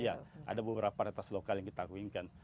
iya ada beberapa paritas lokal yang kita kawinkan